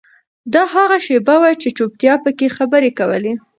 دا هغه شیبه وه چې چوپتیا پکې خبرې کولې.